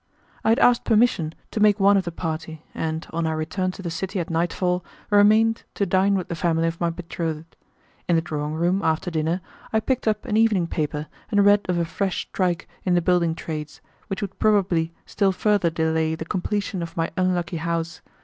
I had asked permission to make one of the party, and, on our return to the city at nightfall, remained to dine with the family of my betrothed. In the drawing room, after dinner, I picked up an evening paper and read of a fresh strike in the building trades, which would probably still further delay the completion of my unlucky house.